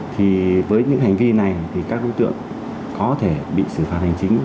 thì với những hành vi này thì các thông tin có thể bị xử phạt hành chính